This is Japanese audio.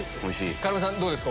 要さんどうですか？